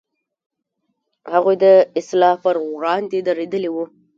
هغوی د اصلاح پر وړاندې درېدلي و.